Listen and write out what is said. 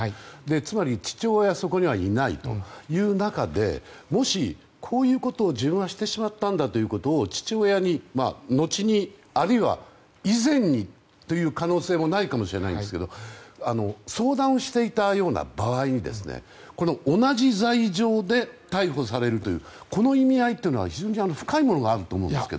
つまり、父親はそこにはいないという中でもしこういうことを自分がしてしまったということを父親に後にあるいは以前にという可能性もないかもしれないですけど相談していたような場合に同じ罪状で逮捕されるというこの意味合いは非常に深いものがあると思うんですが。